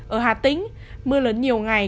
ở hà tĩnh mưa lớn nhiều ngày